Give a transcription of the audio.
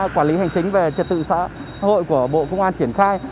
quản lý hành chính về trật tự xã hội của bộ công an triển khai